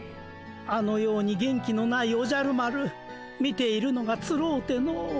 あのように元気のないおじゃる丸見ているのがつろうての。